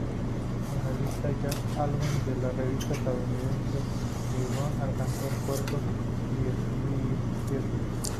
En la lista "Jazz Albums" de la revista estadounidense "Billboard" alcanzó el puesto diecisiete.